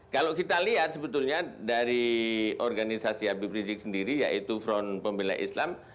kalau kita lihat sebetulnya dari organisasi abp rejiksi sendiri yaitu front pembeli islam